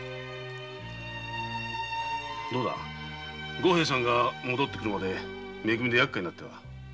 五平さんが戻るまでめ組で厄介になってはどうだ？